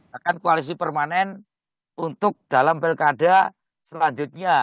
bahkan koalisi permanen untuk dalam pilkada selanjutnya